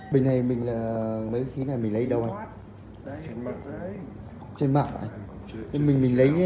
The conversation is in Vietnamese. bình này bình này bình này bình này mình lấy đâu anh